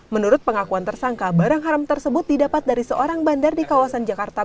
menurut pengakuan tersangka barang haram tersebut didapat dari seorang bandar di kawasan jakarta